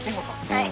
はい。